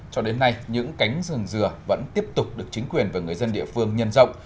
cho đến nay những cánh rừng dừa vẫn tiếp tục được chính quyền và người dân địa phương nhân rộng